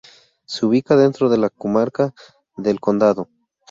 Se ubica dentro en la comarca de El Condado.